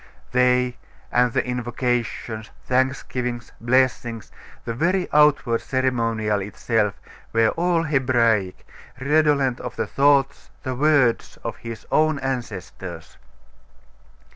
They, and the invocations, thanksgivings, blessings, the very outward ceremonial itself, were all Hebraic, redolent of the thoughts, the words of his own ancestors.